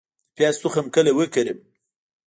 د پیاز تخم کله وکرم؟